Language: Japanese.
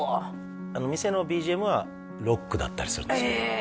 店のＢＧＭはロックだったりするんですえ